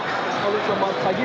kalau sama saja